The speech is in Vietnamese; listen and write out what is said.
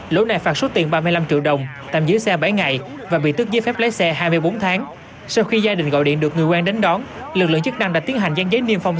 lỗi này phạt số tiền ba mươi năm triệu đồng tạm giữ xe bảy ngày và bị tức giết phép lấy xe hai mươi bốn tháng